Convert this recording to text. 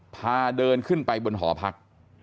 พาเดินขึ้นไปบนหอพัก